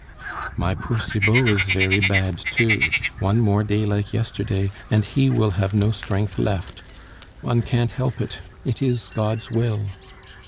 "My poor Cibot is very bad, too; one more day like yesterday, and he will have no strength left.... One can't help it; it is God's will."